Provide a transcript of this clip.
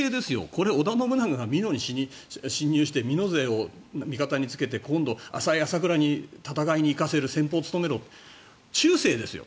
これ、織田信長が美濃に侵入して美濃勢を味方につけて今度、浅井・朝倉に戦いに生かせる戦法を務めろって忠誠ですよ。